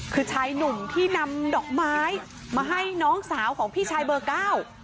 คือชายหนุ่มที่นำดอกไม้มาให้น้องสาวของพี่ชายเบอร์เก้า